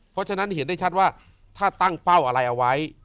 เพราะฉะนั้นเห็นได้ชัดว่าถ้าตั้งเป้าอะไรเอาไว้